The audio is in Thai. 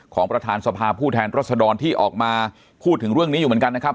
ของประธานสภาผู้แทนรัศดรที่ออกมาพูดถึงเรื่องนี้อยู่เหมือนกันนะครับ